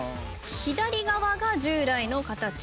左側が従来の形。